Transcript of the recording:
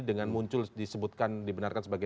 dengan muncul disebutkan dibenarkan sebagai